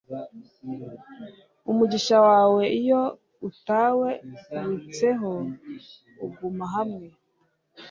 umugisha wawe iyo utawi rutseho uguma hamwe